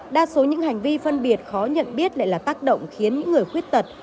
đa số những hành vi phân biệt khó nhận biết lại là tác động khiến những người khuyết tật